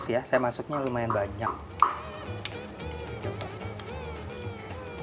agak pedes ya saya masuknya lumayan banyak